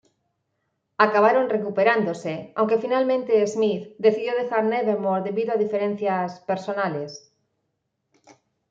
Acabaron recuperándose, aunque finalmente Smyth decidió dejar Nevermore debido a diferencias "personales".